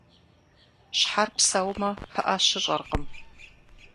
Щхьэр псэумэ, пыӀэ щыщӀэркъым.